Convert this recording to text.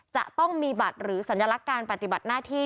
จะต้องมีบัตรหรือสัญลักษณ์การปฏิบัติหน้าที่